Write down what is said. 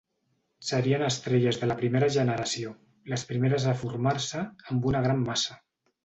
Serien estrelles de la primera generació, les primeres a formar-se, amb una gran massa.